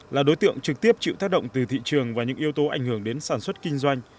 là đối tượng trực tiếp chịu tác động từ thị trường và những yếu tố ảnh hưởng đến sản xuất kinh doanh